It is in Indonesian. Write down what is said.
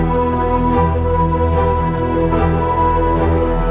sampai jumpa di video selanjutnya